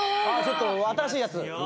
・新しいやつ。